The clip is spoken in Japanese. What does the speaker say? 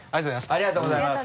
ありがとうございます。